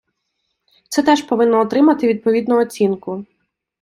Це теж повинно отримати відповідну оцінку.